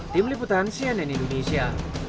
tim liputan cnn indonesia